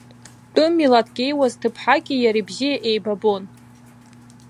Тәым милаҭк еиуаз ҭыԥҳаки иареи бзиа еибабон.